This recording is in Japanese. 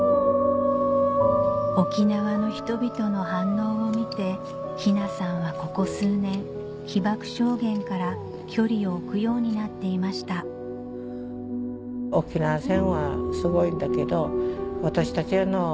沖縄の人々の反応を見て雛さんはここ数年被爆証言から距離を置くようになっていました沖縄戦はすごいんだけど。